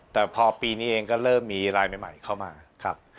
แต่พอปีนี้เองก็เริ่มมีลายใหม่เข้ามาครับ